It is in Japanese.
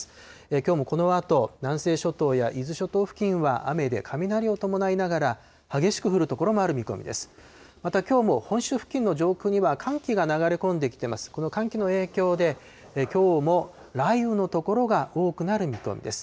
きょうもこのあと、南西諸島や伊豆諸島付近は雨で雷を伴いながら激しく降る所もある見込みです。